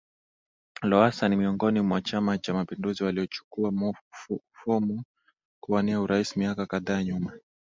Lowassa ni miongoni mwa chama Cha mapinduzi waliochukua fomu kuwania urais miaka kadhaa nyuma